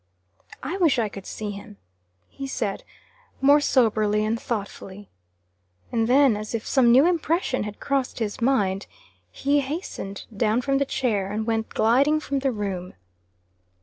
"I wish I could see him," he said, more soberly and thoughtfully. And then, as if some new impression had crossed his mind, he hastened down from the chair, and went gliding from the room.